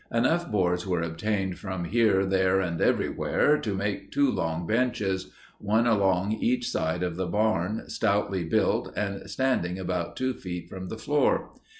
Enough boards were obtained from here, there, and everywhere to make two long benches, one along each side of the barn, stoutly built and standing about two feet from the floor.